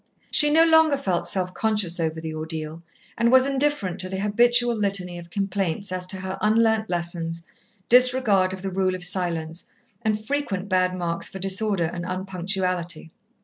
She no longer felt self conscious over the ordeal, and was indifferent to the habitual litany of complaints as to her unlearnt lessons, disregard of the rule of silence, and frequent bad marks for disorder and unpunctuality.